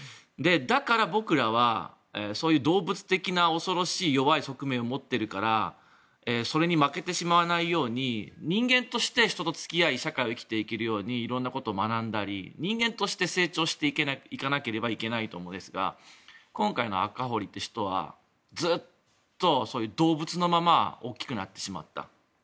だから僕らはそういう動物的な弱い、恐ろしい側面を持っているからそれに負けてしまわないように人間として人と付き合い社会を生きていけるように色んなことを学んだり人間として成長していかなければいけないと思うんですが今回の赤堀という人はずっとそういう動物のまま大きくなってしまった。